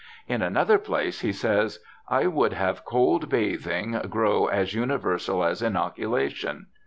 In another place he says, ' I would have cold bathing grow as universal as inoculation.'